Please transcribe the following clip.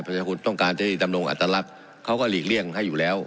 ประชาชนต้องการที่ดำรงอัตลักษณ์เขาก็หลีกเลี่ยงให้อยู่แล้ว